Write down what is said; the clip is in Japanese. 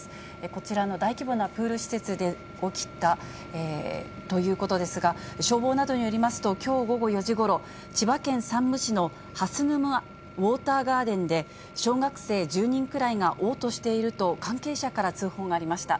こちらの大規模なプール施設で起きたということですが、消防などによりますと、きょう午後４時ごろ、千葉県山武市のはすぬまウォーターガーデンで、小学生１０人くらいがおう吐していると関係者から通報がありました。